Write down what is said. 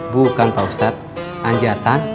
bukan pak ustadz anjatan